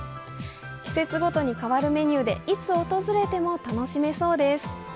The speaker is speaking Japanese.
季節ごとに変わるメニューでいつ訪れても楽しめそうです。